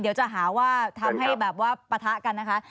เดี๋ยวจะหาว่าทำให้แบบว่าปะทะกันนะคะ